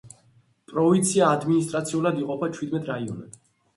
პროვინცია ადმინისტრაციულად იყოფა ჩვიდმეტ რაიონად.